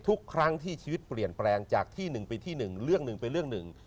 ทุกครั้งที่ชีวิตเปลี่ยนแปลงจากที่หนึ่งไปที่หนึ่งเรื่องหนึ่งเป็นเรื่องหนึ่ง